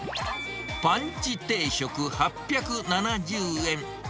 パンチ定食８７０円。